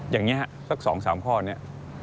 อย่างนี้ฮะสักสองสามข้อนี้